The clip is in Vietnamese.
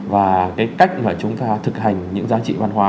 và cái cách mà chúng ta thực hành những giá trị văn hóa